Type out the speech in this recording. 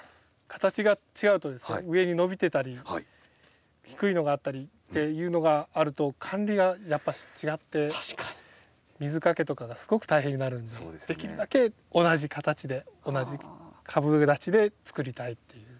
形が違うとですね上に伸びてたり低いのがあったりっていうのがあると管理がやっぱし違って水かけとかがすごく大変になるんでできるだけ同じ形で同じ株立ちでつくりたいっていう。